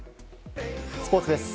スポーツです。